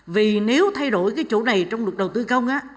vì nếu thay đổi cái chỗ này trong luật đầu tư công á